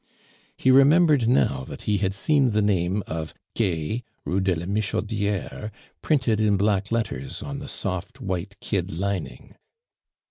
He remembered now that he had seen the name of "Gay, Rue de la Michodiere," printed in black letters on the soft white kid lining.